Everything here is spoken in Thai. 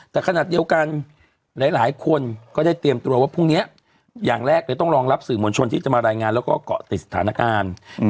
แต่ขนาดเดียวกันหลายคนก็ได้เตรียมตัวว่าพรุ่งนี้อย่างแรกเลยต้องรองรับสื่อมวลชนที่จะมารายงานแล้วก็เกาะติดสถานการณ์